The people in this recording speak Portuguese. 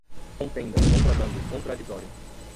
contenda, contrabando, contraditório